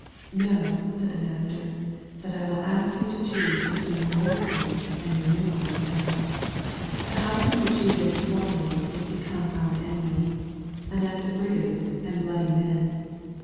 "No," said the Master, "but I will ask you to choose between your dd home and your new home now. The house in which you lived formerly is become our enemy — a nest of brigands and bloody men.